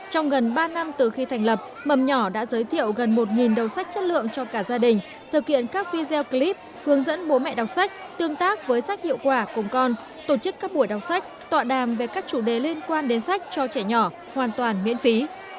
trong gần ba năm từ khi thành lập mầm nhỏ đã giới thiệu gần một đầu sách chất lượng cho cả gia đình thực hiện các video clip hướng dẫn bố mẹ đọc sách tương tác với sách hiệu quả cùng con tổ chức các buổi đọc sách tọa đàm về các chủ đề liên quan đến sách cho trẻ nhỏ hoàn toàn miễn phí